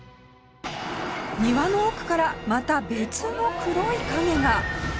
庭の奥からまた別の黒い影が